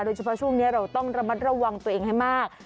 ช่วงนี้เราต้องระมัดระวังตัวเองให้มาก